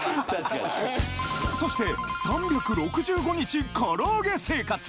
そして３６５日唐揚げ生活！